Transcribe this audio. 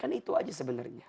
kan itu aja sebenarnya